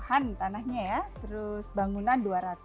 dua ratus lima puluh an tanahnya ya terus bangunan dua ratus